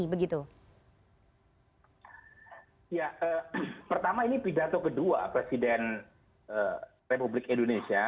ya pertama ini pidato kedua presiden republik indonesia